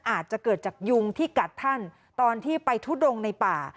อาจจะเกิดจากยุงที่กัดท่านตอนที่ไปทุดงในป่า